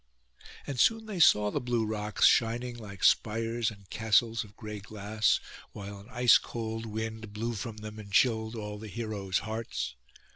And soon they saw the blue rocks shining like spires and castles of gray glass, while an ice cold wind blew from them and chilled all the heroes' hearts.